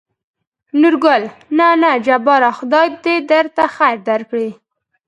نورګل: نه نه جباره خداى د درته خېر درکړي.